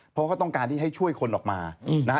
เพราะเขาต้องการที่ให้ช่วยคนออกมานะฮะ